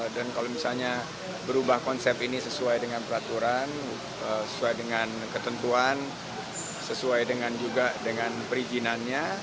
dan kalau misalnya berubah konsep ini sesuai dengan peraturan sesuai dengan ketentuan sesuai juga dengan perizinannya